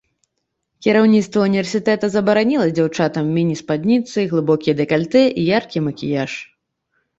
Кіраўніцтва ўніверсітэта забараніла дзяўчатам міні-спадніцы, глыбокія дэкальтэ і яркі макіяж.